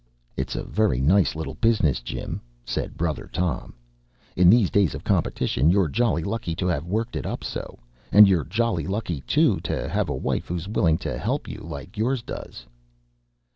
"It's a very nice little business, Jim," said brother Tom. "In these days of competition you're jolly lucky to have worked it up so. And you're jolly lucky, too, to have a wife who's willing to help like yours does."